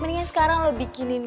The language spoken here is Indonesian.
mendingan sekarang lo bikinin